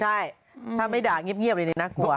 ใช่ถ้าไม่ด่าเงียบเลยนี่น่ากลัว